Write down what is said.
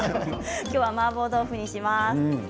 今日はマーボー豆腐にします。